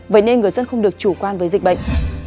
vậy nên người dân không được chủ quan với dịch bệnh